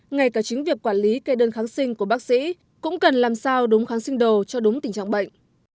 ngay cả chính việc quản lý cây đơn kháng sinh của bác sĩ cũng cần làm sao đúng kháng sinh đồ cho đúng tình trạng bệnh